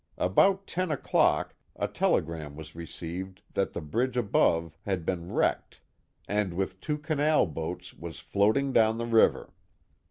About ten o'clock a telegram was received that the bridge above had been wrecked, and, with two canal boats, was floating down the river.